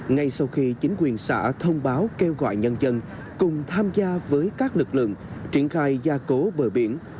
ngay sau khi chính quyền xã thông báo kêu gọi nhân dân cùng tham gia với các lực lượng triển khai gia cố bờ biển